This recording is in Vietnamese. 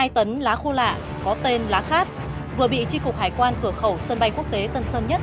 hai tấn lá khô lạ có tên lá khát vừa bị tri cục hải quan cửa khẩu sân bay quốc tế tân sơn nhất